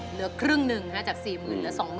เหลือครึ่งหนึ่งจาก๔๐๐๐เหลือ๒๐๐๐